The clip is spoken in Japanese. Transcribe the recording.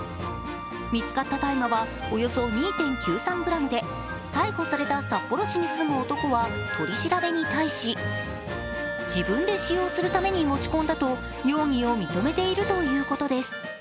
見つかった大麻はおよそ２．９３ｇで逮捕された札幌市に住む男は取り調べに対し自分で使用するために持ち込んだと容疑を認めているということです。